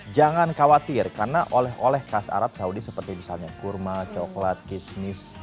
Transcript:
jangan khawatir karena oleh oleh khas arab saudi seperti misalnya kurma coklat kismis